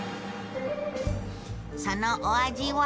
そのお味は？